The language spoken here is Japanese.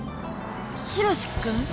ヒロシ君？